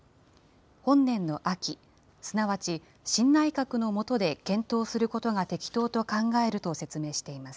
本年の秋、すなわち新内閣の下で検討することが適当と考えると説明しています。